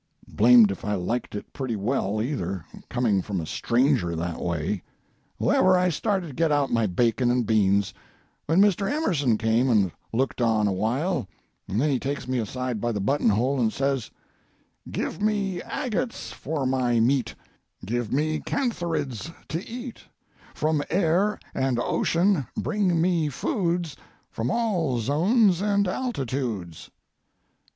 Blamed if I liked it pretty well, either, coming from a stranger, that way. However, I started to get out my bacon and beans, when Mr. Emerson came and looked on awhile, and then he takes me aside by the buttonhole and says: "'Give me agates for my meat; Give me cantharids to eat; From air and ocean bring me foods, From all zones and altitudes.'